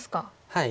はい。